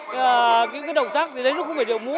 những cái động tác thì đấy nó không phải điều múa